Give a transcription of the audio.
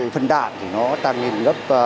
phân đạm thì nó tăng lên gấp